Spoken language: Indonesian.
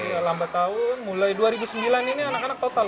iya lambat tahun mulai dua ribu sembilan ini anak anak total